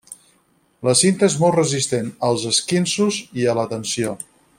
La cinta és molt resistent als esquinços i a la tensió.